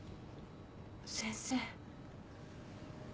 先生。